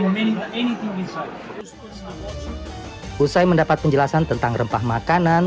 usai mendapat penjelasan tentang rempah makanan